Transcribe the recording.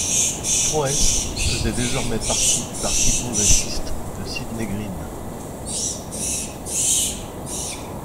Froese faisait désormais partie du Parti progressiste de Sidney Green.